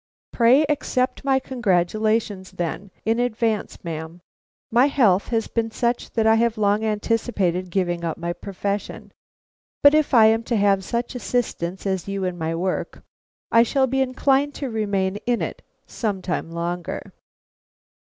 "Pray accept my congratulations, then, in advance, ma'am. My health has been such that I have long anticipated giving up my profession; but if I am to have such assistants as you in my work, I shall be inclined to remain in it some time longer."